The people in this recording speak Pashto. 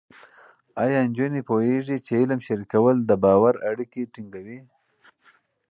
ایا نجونې پوهېږي چې علم شریکول د باور اړیکې ټینګوي؟